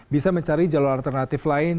bisa mencari jalur alternatif lain